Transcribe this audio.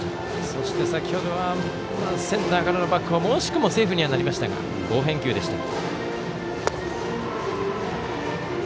そして、先程はセンターからのバックホーム惜しくもセーフになりましたが好返球でした。